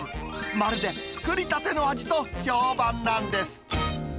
まるで作りたての味と評判なんです。